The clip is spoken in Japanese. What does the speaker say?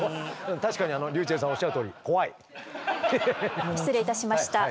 確かにｒｙｕｃｈｅｌｌさんおっしゃるとおり失礼いたしました。